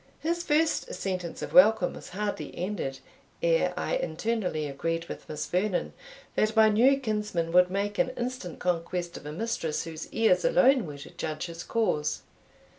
His first sentence of welcome was hardly ended, ere I internally agreed with Miss Vernon, that my new kinsman would make an instant conquest of a mistress whose ears alone were to judge his cause.